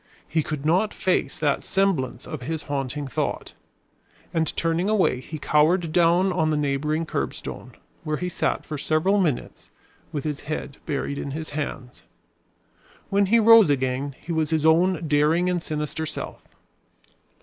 He could not face that semblance of his haunting thought; and turning away he cowered down on the neighboring curbstone, where he sat for several minutes, with his head buried in his hands; when he rose again he was his own daring and sinister self.